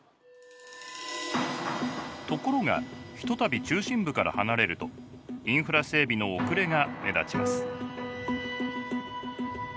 ところがひとたび中心部から離れるとインフラ整備の遅れが目立ちます。